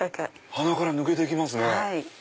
鼻から抜けていきますね。